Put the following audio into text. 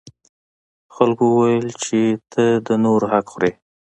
خلکو وویل چې ته د نورو حق خوري.